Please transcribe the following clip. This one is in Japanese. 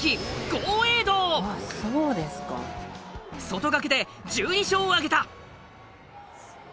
外掛けで１２勝を挙げた。